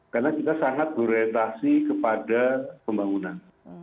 karena kita sangat berorientasi kepada pembangunan